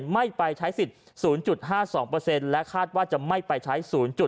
ไม่ไปใช้สิทธิ์๐๕๒และคาดว่าจะไม่ไปใช้๐๘